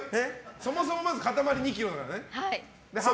そもそもまず塊、２ｋｇだからね。